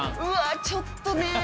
うわちょっとね。